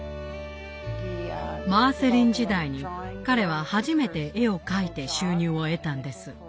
マーセリン時代に彼は初めて絵を描いて収入を得たんです。